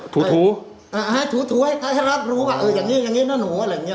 ถูถูอ่าฮะถูถูให้เขาให้รับรู้ว่าเอออย่างเงี้ยอย่างเงี้ย